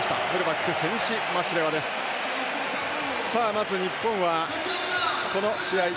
まず、日本はこの試合